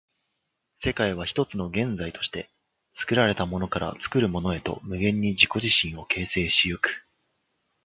世界は一つの現在として、作られたものから作るものへと無限に自己自身を形成し行く。